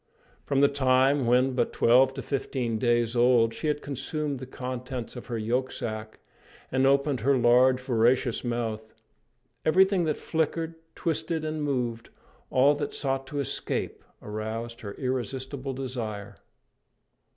From the time when, but twelve to fifteen days old, she had consumed the contents of her yolksac, and opened her large voracious mouth, everything that flickered, twisted and moved, all that sought to escape, aroused her irresistible desire.